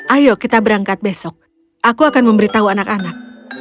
ayo kita berangkat besok aku akan memberitahu anak anak